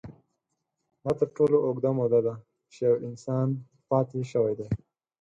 دا تر ټولو اوږده موده ده، چې یو انسان پاتې شوی دی.